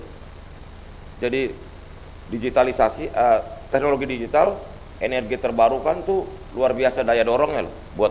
hai jadi digitalisasi teknologi digital energi terbarukan tuh luar biasa daya dorongnya buat